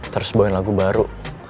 terus bawain lagu baru